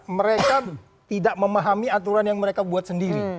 mereka tidak memahami aturan yang mereka buat sendiri